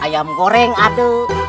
ayam goreng aduk